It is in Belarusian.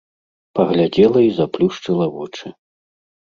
Паглядзела і заплюшчыла вочы.